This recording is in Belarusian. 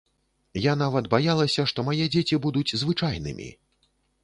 Я нават баялася, што мае дзеці будуць звычайнымі!